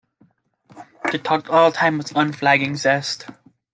They talked all the time with unflagging zest.